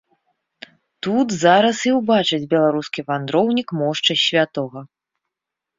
Тут зараз і ўбачыць беларускі вандроўнік мошчы святога.